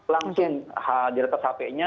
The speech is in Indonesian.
langsung hadir ke hp nya